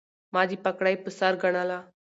ما دې پګړۍ په سر ګنله